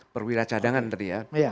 perwira cadangan tadi ya